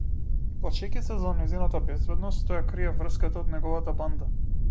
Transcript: Плашејќи се за нејзината безбедност, тој ја крие врската од неговата банда.